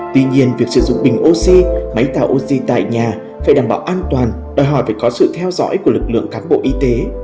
tuy nhiên việc sử dụng bình oxy máy tạo oxy tại nhà phải đảm bảo an toàn đòi hỏi phải có sự theo dõi của lực lượng cán bộ y tế